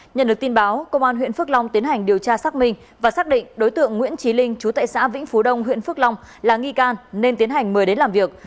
nhận được tin báo công an huyện phước long tiến hành điều tra xác minh và xác định đối tượng nguyễn trí linh chú tại xã vĩnh phú đông huyện phước long là nghi can nên tiến hành mời đến làm việc